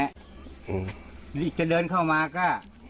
อีกจะเดินเข้ามาก็